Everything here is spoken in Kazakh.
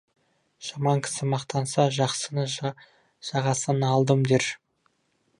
Жаман кісі мақтанса, «Жақсыны жағасынан алдым» дер.